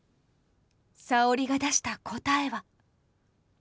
沙織が出した答えは。